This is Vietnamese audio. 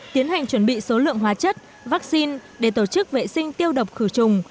tiến hành chuẩn bị số lượng hóa chất vaccine để tổ chức vệ sinh tiêu độc khử trùng